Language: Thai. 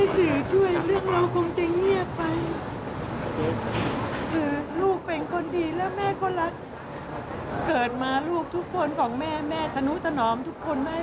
สิ่งที่ตอบแทนแม่คือทำให้ลูกของฉันต้องตายไป